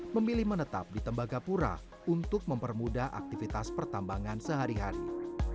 memilih menetap di tembagapura untuk mempermudah aktivitas pertambangan sehari hari